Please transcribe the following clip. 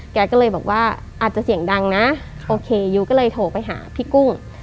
แกก็เลยบอกว่าอาจจะเสียงดังนะโอเคยูก็เลยโทรไปหาพี่กุ้ง